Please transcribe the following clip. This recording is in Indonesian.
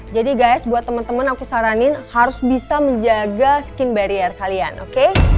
jadi guys buat teman teman aku saranin harus bisa menjaga skin barrier kalian oke